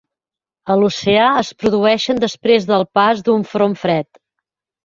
A l'oceà es produeixen després del pas d'un front fred.